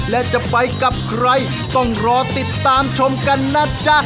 และจะไปกับใครต้องรอติดตามชมกันนะจ๊ะ